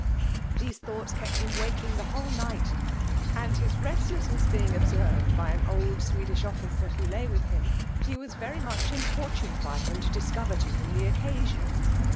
These thoughts kept him waking the whole night; and his restlessness being observed by an old Swedish officer who by with him, he was very much importuned by him to discover to him the occasion.